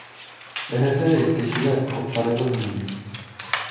Эһ-һе-һей, кешеләр, ҡотҡарығыҙ мине!